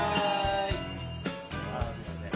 あすいません。